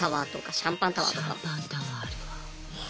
シャンパンタワーあるわ。